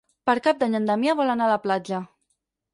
Per Cap d'Any en Damià vol anar a la platja.